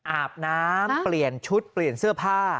อาบน้ำเปลี่ยนชุดเปลี่ยนเสื้อผ้า